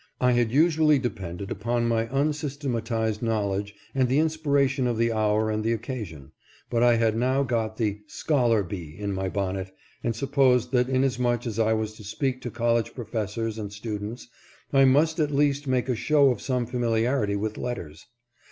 I had usually depended upon %my unsystematized knowledge and the inspiration of the hour and the occasion, but I had now got the " scholar bee in my bonnet," and supposed that inasmuch as I was to A NEW FIELD OPENS. 457 speak to college professors and students I must at least make a show of some familiarity with letters.